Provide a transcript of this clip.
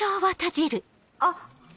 あっ！